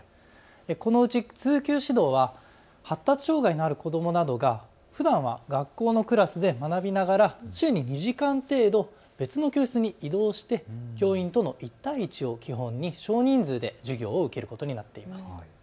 このうち通級指導は発達障害のある子どもなどがふだんは学校のクラスで学びながら週に２時間程度別の教室に移動して教員との１対１を基本に少人数で授業を受けることになっています。